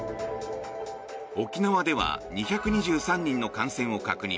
沖縄では２２３人の感染を確認。